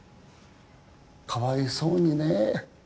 かわいそうにね。